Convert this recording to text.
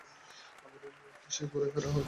আবার কি সেই গোড়ায় ফেরা যায় না?